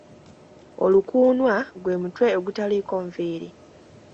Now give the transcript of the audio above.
Olukuunwa gwe mutwe ogutaliiko nviiri.